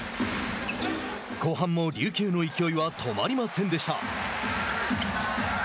後半も琉球の勢いは止まりませんでした。